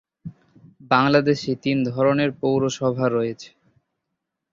বাংলাদেশে তিন ধরনের পৌরসভা রয়েছে।